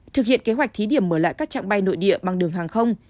thực hiện kế hoạch thí điểm mở lại các trạng bay nội địa bằng đường hàng không